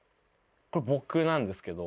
これ僕なんですけど。